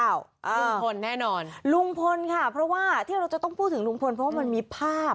ลุงพลแน่นอนลุงพลค่ะเพราะว่าที่เราจะต้องพูดถึงลุงพลเพราะว่ามันมีภาพ